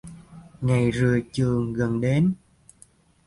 Ngày rời trường gần đến